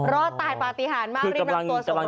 รอดตายปฏิหารมากเรียบรับตัวส่งโรคพยาบาลแล้ว